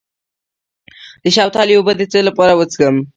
د شوتلې اوبه د څه لپاره وڅښم؟